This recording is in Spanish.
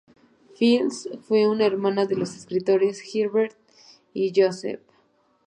Fields fue hermana de los escritores Herbert y Joseph.